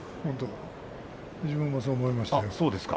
自分もそう思いました。